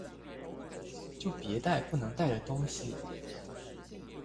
就別帶不能帶的東西！